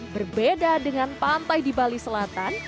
berbeda dengan pantai di bali selatan